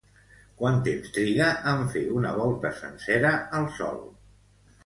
Quant temps triga en fer una volta sencera al Sol?